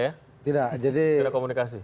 ya tidak jadi tidak komunikasi